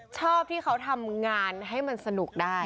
ชอบที่เขาทำงานให้มันสนุกได้